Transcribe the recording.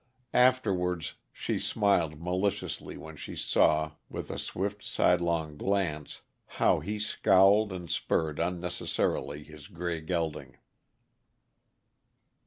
Afterwards she smiled maliciously when she saw, with a swift, sidelong glance, how he scowled and spurred unnecessarily his gray gelding.